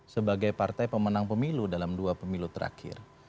sebagai partai pemenang pemilu dalam dua pemilu terakhir